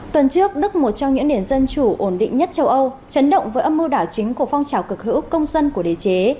tuần trước đức một trong những nền dân chủ ổn định nhất châu âu chấn động với âm mưu đảo chính của phong trào cực hữu công dân của đế chế